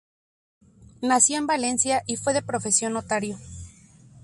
Nació en Valencia y fue de profesión notario.